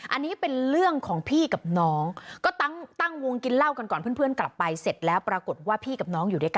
อันนี้เป็นเรื่องของพี่กับน้องก็ตั้งวงกินเหล้ากันก่อนเพื่อนกลับไปเสร็จแล้วปรากฏว่าพี่กับน้องอยู่ด้วยกัน